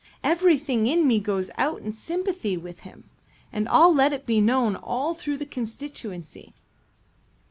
Everything in me goes out in sympathy with him, and I'll let it be known all through the constituency."